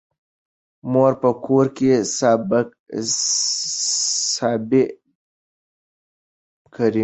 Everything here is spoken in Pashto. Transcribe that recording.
مور په کور کې سابه کري.